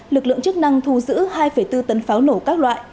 lực lượng chức năng thu giữ hai bốn tấn pháo nổ các loại